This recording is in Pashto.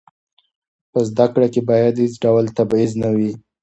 په زده کړه کې باید هېڅ ډول تبعیض نه وي.